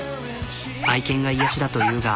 愛犬が癒やしだというが。